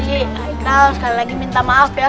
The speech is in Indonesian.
ikral sekali lagi minta maaf ya